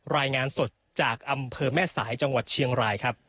รายงานสดจากอำเภอแม่สายจังหวัดเชียงรายครับ